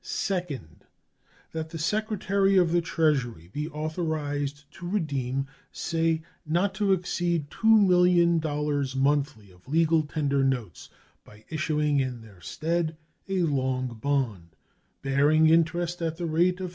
Second. That the Secretary of the Treasury be authorized to redeem, say, not to exceed $2,000,000 monthly of legal tender notes, by issuing in their stead a long bond, bearing interest at the rate of 3.